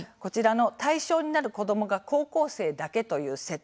対象になる子どもが高校生だけという世帯。